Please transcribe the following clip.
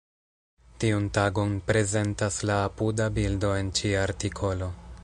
Tiun tagon prezentas la apuda bildo en ĉi artikolo.